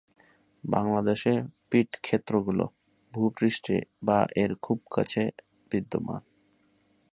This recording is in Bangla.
বাংলাদেশে পিট ক্ষেত্রগুলো ভূ-পৃষ্ঠে বা এর খুব কাছে বিদ্যমান।